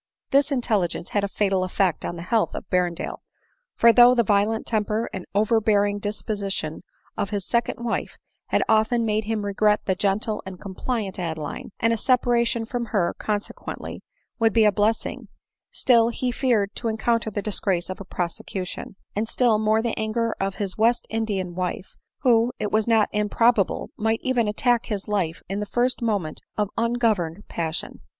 This intelligence had a fatal effect on the health of Berrendale ; for though the violent temper and overbear ing disposition of his second wife had often made him regret the gentle and compliant Adeline, and a separation from her, consequently, would be a blessing, still he fear 870 ADELINE MOWBRAY. ed to encounter the disgrace of a prosecution, and still more the anger of his West Indian wife; who, it was not improbable, might even attack his life in die first moment of ungoverned passion.